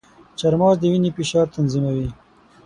چارمغز د وینې فشار تنظیموي.